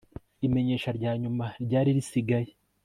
imenyesha rya nyuma ryari risigaye